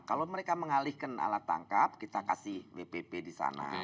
kalau mereka mengalihkan alat tangkap kita kasih wpp di sana